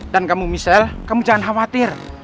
dan kamu misal kamu jangan khawatir